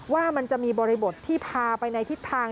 ว่ามันจะมีบริบทที่พาไปในทิศทาง